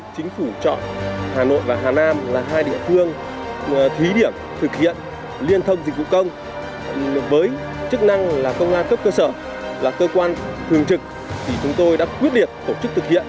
chính phủ chọn hà nội và hà nam là hai địa phương thí điểm thực hiện liên thông dịch vụ công với chức năng là công an cấp cơ sở là cơ quan thường trực thì chúng tôi đã quyết liệt tổ chức thực hiện